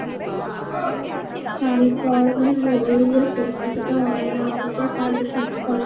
চারি কর্ণে হইলে প্রকাশিত হয় না অথচ কার্যসিদ্ধি করে।